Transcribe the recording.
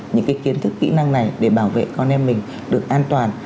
những kiến thức kỹ năng này để bảo vệ con em mình được an toàn